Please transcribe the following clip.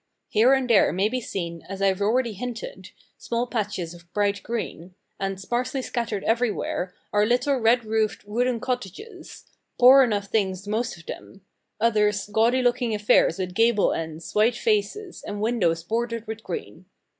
Here and there may be seen, as I have already hinted, small patches of bright green, and, sparsely scattered everywhere, are little red roofed wooden cottages poor enough things the most of them; others, gaudy looking affairs with gable ends, white faces, and windows bordered with green.